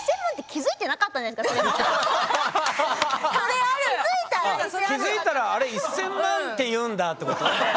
気づいたらあれ１，０００万って言うんだってこと？